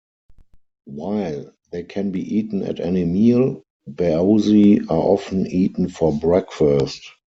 While they can be eaten at any meal, baozi are often eaten for breakfast.